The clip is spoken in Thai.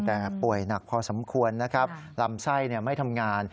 แต่ป่วยหนักพอสมควรนะครับลำไส้ไม่ทำงาน